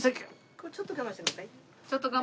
これちょっと我慢してください。